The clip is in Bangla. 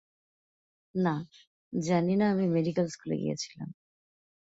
না, জানি না আমি মেডিকেল স্কুলে গিয়েছিলাম।